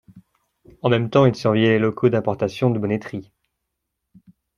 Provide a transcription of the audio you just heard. En même temps, ils surveillaient les locaux d’importation de bonneterie.